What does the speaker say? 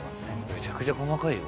めちゃくちゃ細かいよ。